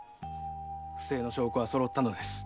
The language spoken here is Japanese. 不正の証拠は揃ったのです。